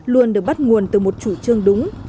luôn được bắt nguồn từ một chủ trương đúng